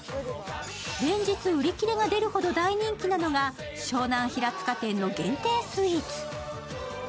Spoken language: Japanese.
連日売り切れが出るほど大人気なのが湘南平塚店の限定スイーツ。